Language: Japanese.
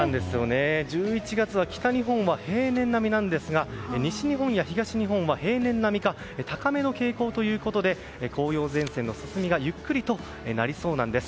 １１月は北日本は平年並みなんですが西日本や東日本は平年並みか高めの傾向ということで紅葉前線の進みがゆっくりとなりそうなんです。